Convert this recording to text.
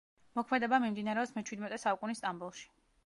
მოქმედება მიმდინარეობს მეჩვიდმეტე საუკუნის სტამბოლში.